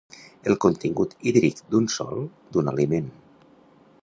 El contingut hídric d'un sòl, d'un aliment.